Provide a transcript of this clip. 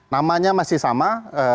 namanya masih sama